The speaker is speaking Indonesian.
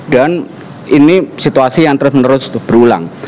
dan ini situasi yang terus menerus berulang